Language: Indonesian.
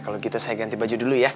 kalau gitu saya ganti baju dulu ya